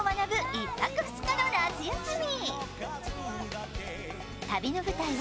１泊２日の夏休み。